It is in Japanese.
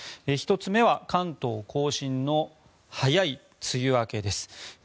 １つ目は関東・甲信の早い梅雨明けです。